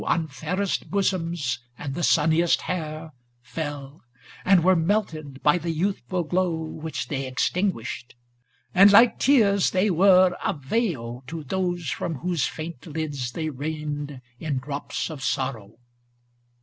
On fairest bosoms and the sunniest hair, Fell, and were melted by the youthful glow ' Which they extinguished; and, like tears, they were A veil to those from whose faint lids they rained In drops of sorrow.